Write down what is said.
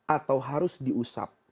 atau harus diusap